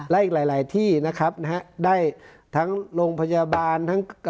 และอีกหลายที่นะครับได้ทั้งโรงพยาบาลทั้ง